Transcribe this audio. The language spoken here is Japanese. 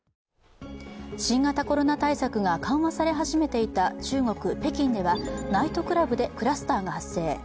新型コロナ対策が緩和され始めていた中国・北京ではナイトクラブでクラスターが発生。